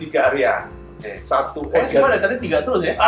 oh eh cuma ada yang tadi tiga terus ya